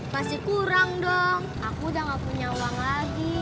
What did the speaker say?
masih kurang dong aku udah gak punya uang lagi